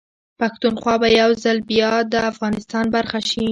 پښتونخوا به يوځل بيا ده افغانستان برخه شي